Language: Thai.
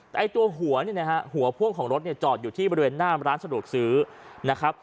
แต่ตัวหัวพ่วงของรถจอดอยู่ที่บริเวณนามร้านสะดวกซื้อนะครับ